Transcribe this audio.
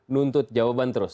nuntut jawaban terus